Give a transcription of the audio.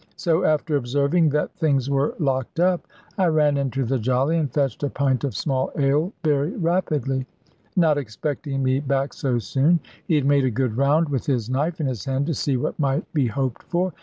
So, after observing that things were locked up, I ran into the Jolly, and fetched a pint of small ale, very rapidly. Not expecting me back so soon, he had made a good round, with his knife in his hand, to see what might be hoped for.